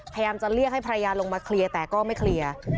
พยายามจะเรียกให้ภรรยาลงมาเคลียร์แต่ก็ไม่เคลียร์